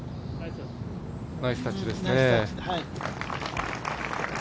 ナイスタッチですね。